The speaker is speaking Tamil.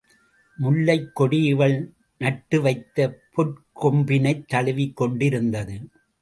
முல்லைக் கொடி இவள் நட்டு வைத்த பொற்கொம்பினைத் தழுவிக் கொண்டு இருந்தது.